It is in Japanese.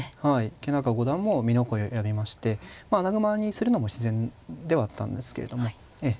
池永五段も美濃囲いを選びまして穴熊にするのも自然ではあったんですけれどもええ